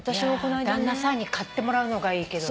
いや旦那さんに買ってもらうのがいいけどね。